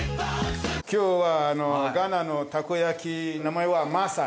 今日はあのガーナのたこ焼き名前はマサ。